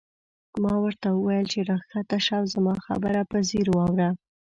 ما ورته وویل چې راکښته شه او زما خبره په ځیر واوره.